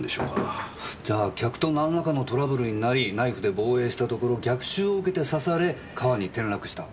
あぁじゃあ客と何らかのトラブルになりナイフで防衛したところ逆襲を受けて刺され川に転落した？